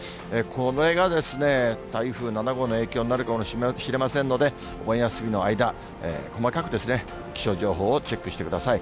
これが、台風７号の影響になるかもしれませんので、お盆休みの間、細かく気象情報をチェックしてください。